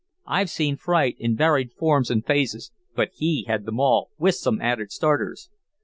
I've seen fright in varied forms and phases, but he had them all, with some added starters.